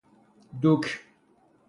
دوک